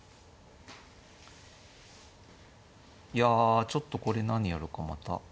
いやちょっとこれ何やるかまた。